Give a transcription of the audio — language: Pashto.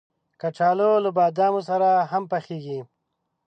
کچالو له بادامو سره هم پخېږي